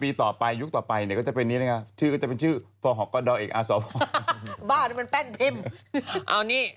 เอานี่